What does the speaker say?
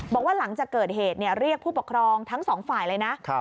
บอกว่าหลังจากเกิดเหตุเรียกผู้ปกครองทั้งสองฝ่ายเลยนะ